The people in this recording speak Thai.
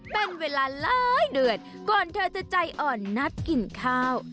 เป็นเวลาหลายเดือนก่อนเธอจะใจอ่อนนัดกินข้าว